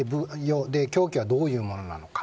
凶器はどういうものなのか。